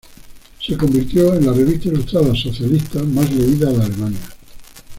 Se convirtió en la revista ilustrada socialista más leída en Alemania.